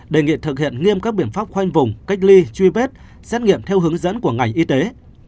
đề nghị thực hiện nghiêm các biện pháp khoanh vùng cách ly truy vết xét nghiệm theo hướng dẫn của ngành y tế